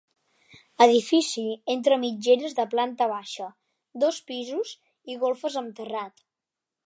Edifici entre mitgeres de planta baixa, dos pisos i golfes amb terrat.